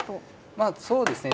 まあそうですね